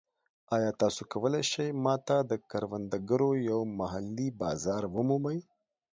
ایا تاسو کولی شئ ما ته د کروندګرو یو محلي بازار ومومئ؟